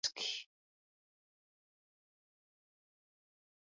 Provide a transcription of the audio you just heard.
ComicBase was the first software available on Blu-ray disc.